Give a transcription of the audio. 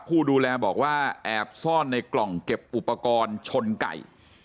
ผู้ดูแลบอกว่าแอบซ่อนในกล่องเก็บอุปกรณ์ชนไก่